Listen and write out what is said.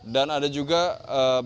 dan ada juga beberapa orang